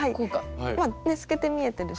透けて見えてるし。